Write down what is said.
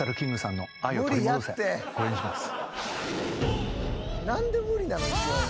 これにします。